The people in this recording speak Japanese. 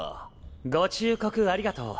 ご忠告ありがとう。